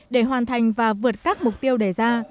để hoàn thành và vượt các mục tiêu đề ra